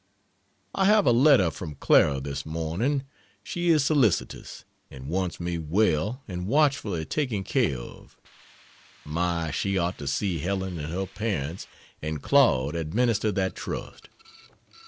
I have a letter from Clara this morning. She is solicitous, and wants me well and watchfully taken care of. My, she ought to see Helen and her parents and Claude administer that trust!